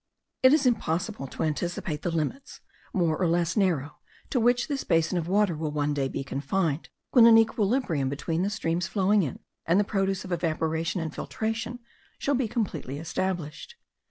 It is impossible to anticipate the limits, more or less narrow, to which this basin of water will one day be confined, when an equilibrium between the streams flowing in and the produce of evaporation and filtration, shall be completely established.